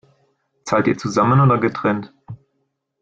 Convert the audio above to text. Zahlt ihr zusammen oder getrennt?